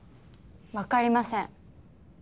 わかりません。